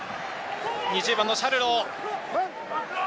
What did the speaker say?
２０番のシャリュロー。